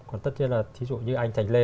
còn tất nhiên là thí dụ như anh thành lê